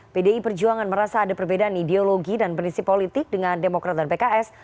pdi perjuangan merasa ada perbedaan ideologi dan berisi politik dengan demokrat dan pks